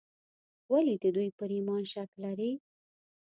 ولې د دوی پر ایمان شک لري.